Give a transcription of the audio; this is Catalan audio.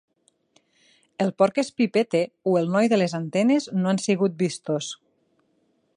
El porc espí Pete o el noi de les antenes no han sigut vistos.